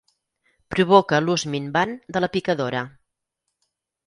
Provoca l'ús minvant de la picadora.